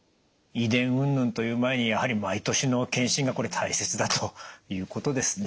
遺伝うんぬんという前にやはり毎年の検診が大切だということですね。